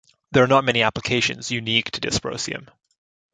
There are not many applications unique to dysprosium.